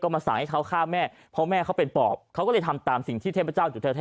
ก็มาสั่งให้ข้าวข้ามแม่พ่อแม่เขาเป็นป่อบเขาได้ทำตามสิ่งที่เทพเจ้า